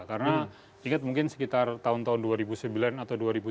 karena ingat mungkin sekitar tahun tahun dua ribu sembilan atau dua ribu sepuluh